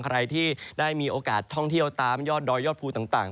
ใครที่ได้มีโอกาสท่องเที่ยวตามยอดดอยยอดภูต่าง